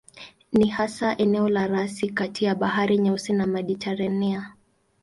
Ni hasa eneo la rasi kati ya Bahari Nyeusi na Mediteranea.